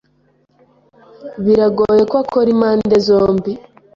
Biragoye ko akora impande zombi.